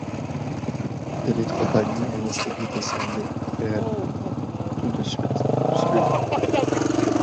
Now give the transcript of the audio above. De l'étroit palier, un escalier descendait, très raide, tout de suite obscur.